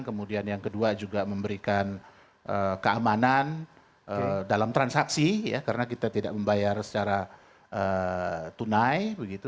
kemudian yang kedua juga memberikan keamanan dalam transaksi karena kita tidak membayar secara tunai